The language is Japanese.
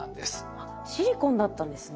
あっシリコンだったんですね。